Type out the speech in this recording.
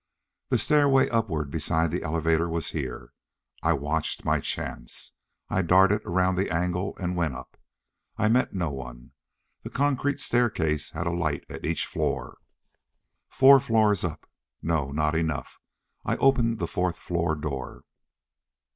The stairway upward beside the elevator was here. I watched my chance. I darted around the angle and went up. I met no one. The concrete staircase had a light at each floor. Four floors up. No, not enough! I opened the fourth floor door.